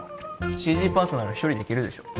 ＣＧパースなら１人でいけるでしょ